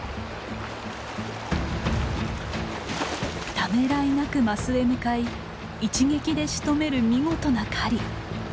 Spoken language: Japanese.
ためらいなくマスへ向かい一撃でしとめる見事な狩り。